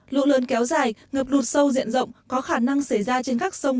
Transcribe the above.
lụ lợn kéo dài ngập lụt sâu diện rộng có khả năng xảy ra trên các sông